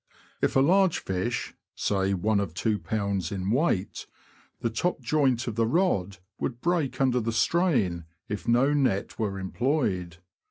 If a large fish (say, one of 2lb. weight), the top joint of the rod would break under the strain if no net were employed.